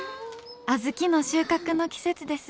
小豆の収穫の季節です。